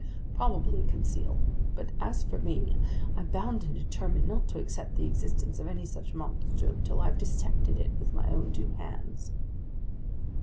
"Probably, Conseil. But as for me, I'm bound and determined not to accept the existence of any such monster till I've dissected it with my own two hands."